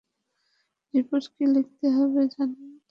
রিপোর্টে কী লিখতে হবে জানেন তো?